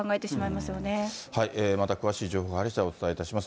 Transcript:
また詳しい情報が入りしだい、お伝えします。